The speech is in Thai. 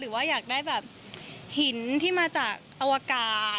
หรือว่าอยากได้แบบหินที่มาจากอวกาศ